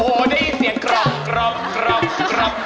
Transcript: โอ้ยยนี่เสียงกรอบกรอบ